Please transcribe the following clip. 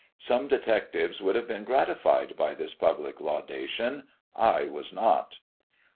Some detectives would have been gratified by this public laudation — I was not.